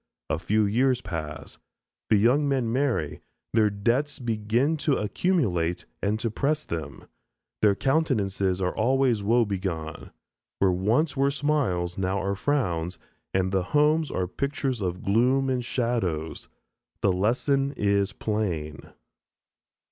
A few years pass. The young men marry; their debts begin to accumulate and to press them, their countenances are always woe begone; where once were smiles, now are frowns, and the homes are pictures of gloom and shadows. The lesson is plain.